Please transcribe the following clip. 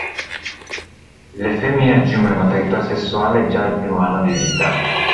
Le femmine raggiungono la maturità sessuale già al primo anno di vita.